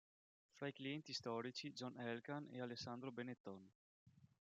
Fra i clienti storici John Elkann e Alessandro Benetton.